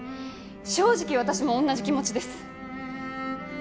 正直私も同じ気持ちです。